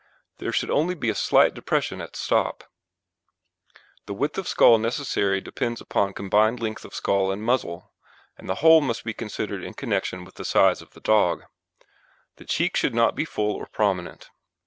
There should only be a slight depression at stop. The width of skull necessarily depends upon combined length of skull and muzzle; and the whole must be considered in connection with the size of the dog. The cheek should not be full or prominent.